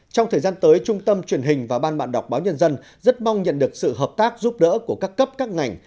trong thời gian tới trung tâm truyền hình và ban bạn đọc báo nhân dân rất mong nhận được sự hợp tác giúp đỡ của các cấp các ngành